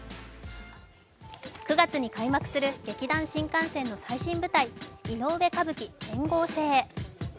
９月に開幕する劇団☆新感線の最新舞台「いのうえ歌舞伎天號星」。